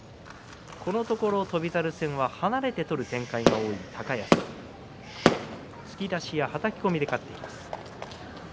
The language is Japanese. このところ翔猿戦は離れて取る展開が多い高安突き出しやはたき込みで勝っています。